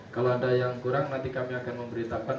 kalau ada yang kurang nanti kami akan memberitakan